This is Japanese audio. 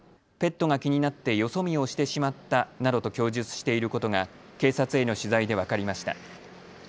ペットが気になってよそ見をしてしまったなどと供述していることが警察への取材で分かりました。